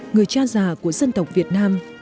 người cha già của dân tộc việt nam